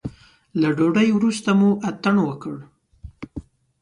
له ډوډۍ وروسته مو اتڼ وکړ.